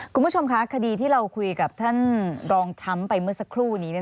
คุณผู้ชมคะคดีที่เราคุยกับท่านรองทรัมป์ไปเมื่อสักครู่นี้